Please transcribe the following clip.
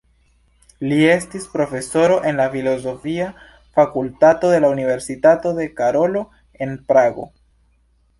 Li estis profesoro en la Filozofia fakultato de la Universitato de Karolo en Prago.